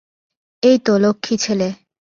এইতো, লক্ষ্মী ছেলে।